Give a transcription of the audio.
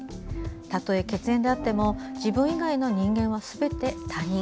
たとえ血縁であっても自分以外の人間はすべて他人。